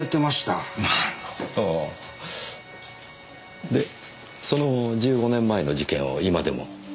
でその１５年前の事件を今でも捜査されてる。